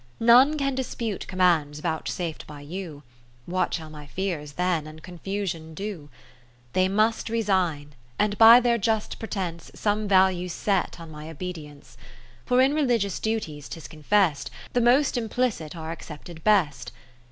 None can dispute commands vouch saf'd by you : What shall my fears then and con fusion do? 10 Kath 67^1716 Phi lip i^ They must resign, and by their just pretence Some value set on my obedience. For in religious duties, 'tis confest, The most implicit are accepted best.